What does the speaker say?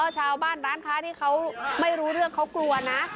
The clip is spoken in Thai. ชาวบ้านร้านค้าที่เขาไม่รู้เรื่องเขากลัวนะ